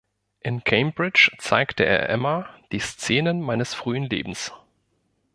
In Cambridge zeigte er Emma die „Szenen meines frühen Lebens“.